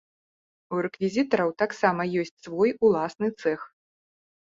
У рэквізітараў таксама ёсць свой уласны цэх.